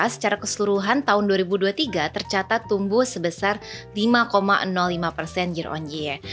secara keseluruhan tahun dua ribu dua puluh tiga tercatat tumbuh sebesar lima lima persen year on year